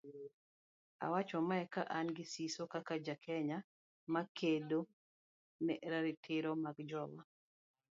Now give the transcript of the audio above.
Awacho mae ka an gi siso kaka ja Kenya makedo ne ratiro mag jowa